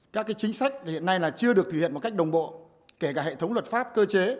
các chính sách hiện nay là chưa được thực hiện một cách đồng bộ kể cả hệ thống luật pháp cơ chế